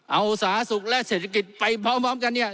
เอาสาธารณสุขและเศรษฐกิจไปพร้อมกันเนี่ย